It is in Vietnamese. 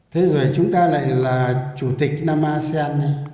thế rồi chúng ta lại là chủ tịch nam a sen